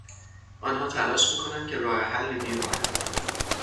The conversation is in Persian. آنها تلاش میکنند که راه حلی بیابند.